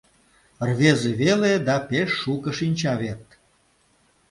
Рвезе веле да пеш шуко шинча вет.